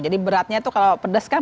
jadi beratnya tuh kalau pedes kan